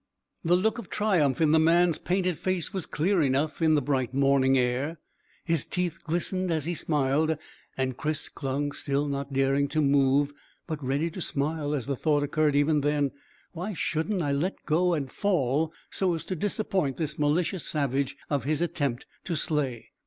The look of triumph in the man's painted face was clear enough in the bright morning air. His teeth glistened as he smiled, and Chris clung still not daring to move, but ready to smile as the thought occurred even then, Why shouldn't I let go and fall, so as to disappoint this malicious savage of his attempt to slay?